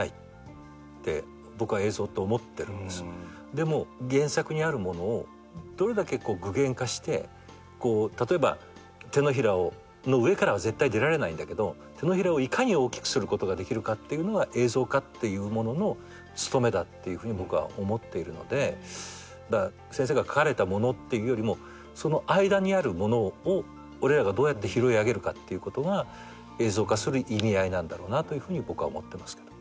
でも原作にあるものをどれだけ具現化して例えば手のひらの上からは絶対出られないんだけど手のひらをいかに大きくすることができるかが映像化っていうものの務めだって僕は思っているので先生が書かれたものっていうよりもその間にあるものを俺らがどうやって拾い上げるかっていうことが映像化する意味合いなんだろうなというふうに僕は思ってますけど。